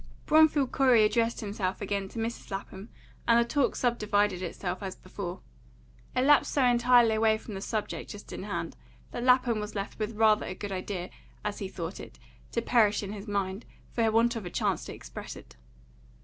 Bromfield Corey addressed himself again to Mrs. Lapham, and the talk subdivided itself as before. It lapsed so entirely away from the subject just in hand, that Lapham was left with rather a good idea, as he thought it, to perish in his mind, for want of a chance to express it.